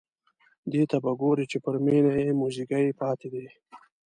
دې ته به ګوري چې پر مېنه یې موزیګی پاتې دی.